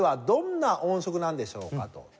どんな音色なんでしょうかと。